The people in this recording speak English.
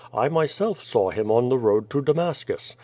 I my self saw Him on the road to Damascus.